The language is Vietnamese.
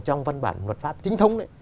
trong văn bản luật pháp chính thống